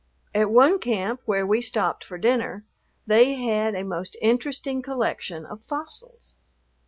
At one camp, where we stopped for dinner, they had a most interesting collection of fossils.